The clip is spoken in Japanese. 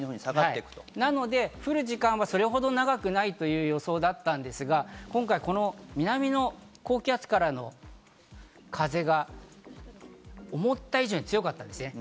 なので降る時間はそれほど長くはないという予想だったんですが、今回、この南の高気圧からの風が思った以上に強かったんですね。